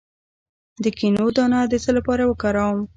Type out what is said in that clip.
د کینو دانه د څه لپاره وکاروم؟